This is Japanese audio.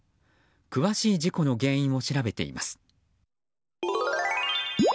詳しい事故の原因を調べています。